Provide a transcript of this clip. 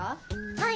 はい！